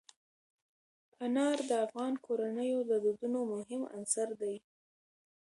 انار د افغان کورنیو د دودونو مهم عنصر دی.